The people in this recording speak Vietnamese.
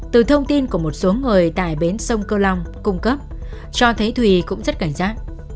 từ thông tin của một số người tại bến sông câu long cung cấp cho thấy thùy cũng rất cảnh giác